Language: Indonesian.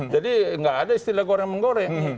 jadi nggak ada istilah goreng menggoreng